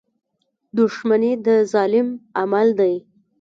• دښمني د ظالم عمل دی.